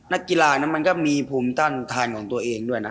นักกีฬานั้นมันก็มีภูมิต้านทานของตัวเองด้วยนะ